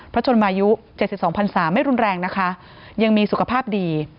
ชนมายุ๗๒พันศาไม่รุนแรงนะคะยังมีสุขภาพดี